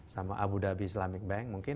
sama abu dhabi islamic bank mungkin